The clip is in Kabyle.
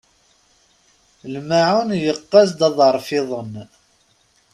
Lmaεun yeqqaz-d aḍref-iḍen.